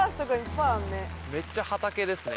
めっちゃ畑ですね。